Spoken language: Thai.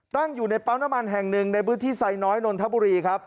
ตั้งอยู่ในปั๊มน้ำมันแห่งหนึ่งในพื้นที่ไซน้อยนนทบุรีครับ